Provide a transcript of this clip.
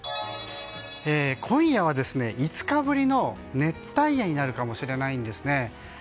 今夜は５日ぶりの熱帯夜になるかもしれないんですね。